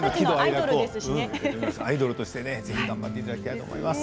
アイドルとして頑張っていただきたいと思います。